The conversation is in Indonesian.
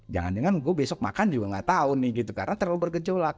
jangan jangan gue besok makan juga nggak tahu nih gitu karena terlalu bergejolak